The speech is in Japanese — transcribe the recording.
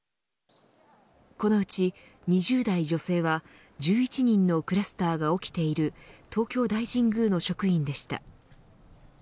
このうち２０代女性は１１人のクラスターが起きている東京大神宮の職員でした。